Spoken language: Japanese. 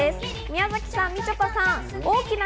宮崎さん、みちょぱさん。